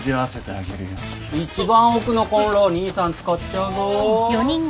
一番奥のこんろ兄さん使っちゃうぞ。